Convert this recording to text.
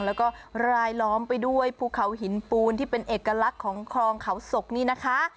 แล้วก็รายล้อมไปด้วยภูเขาหินปูนที่เป็นเอกลักษณ์ของคลองเขาศกนี่นะคะ